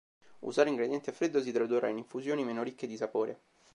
Usare ingredienti a freddo si tradurrà in infusioni meno ricche di sapore.